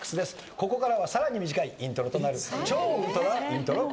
ここからはさらに短いイントロとなる超ウルトライントロクイズ。